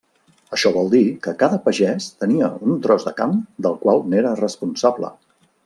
Això vol dir que cada pagès tenia un tros de camp del qual n'era responsable.